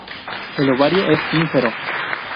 El ovario es ínfero.